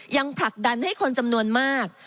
ผลักดันให้คนจำนวนมาก